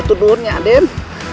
aduh dunia den